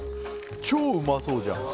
超うまそうじゃん